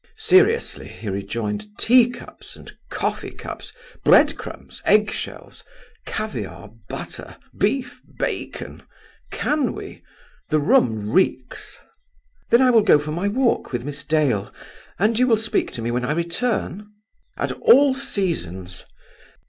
"Seriously," he rejoined, "tea cups and coffee cups, breadcrumbs. egg shells, caviare, butter, beef, bacon! Can we? The room reeks." "Then I will go for my walk with Miss Dale. And you will speak to me when I return?" "At all seasons.